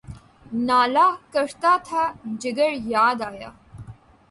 نالہ کرتا تھا، جگر یاد آیا